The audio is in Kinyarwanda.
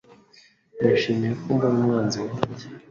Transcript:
nishimiye ko mbona umwanzi wanjye